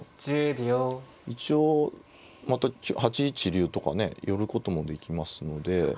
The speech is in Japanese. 一応また８一竜とかね寄ることもできますので。